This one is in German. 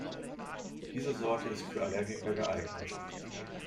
Diese Sorte ist für Allergiker geeignet.